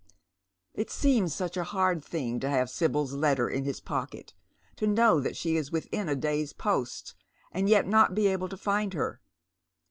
It seems such a hard thing to have Sibyl's letter in his pocket, to know that she ia within a day's post, and yet not be able to find her.